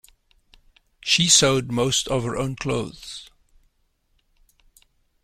She sewed most of her own clothes.